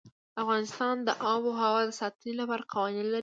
افغانستان د آب وهوا د ساتنې لپاره قوانین لري.